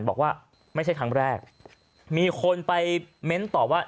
บอกว่าไม่ใช่ครั้งแรกมีคนไปเม้นตอบว่า